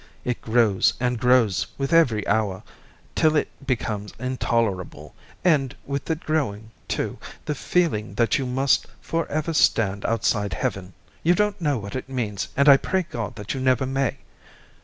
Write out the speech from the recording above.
It grows and grows with every hour, till it becomes intolerable, and with it growing, too, the feeling that you must for ever stand outside Heaven. You don't know what that means, and I pray God that you never may.